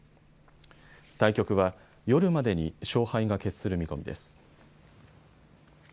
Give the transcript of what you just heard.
対局は夜までに勝敗が決する見込みです。